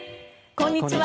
こんにちは。